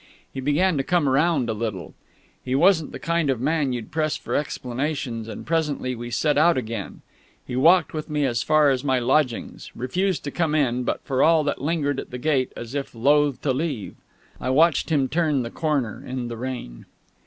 He began to come round a little. He wasn't the kind of man you'd press for explanations, and presently we set out again. He walked with me as far as my lodgings, refused to come in, but for all that lingered at the gate as if loath to leave. I watched him turn the corner in the rain.